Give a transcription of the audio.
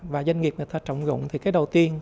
và doanh nghiệp người ta trọng dụng thì cái đầu tiên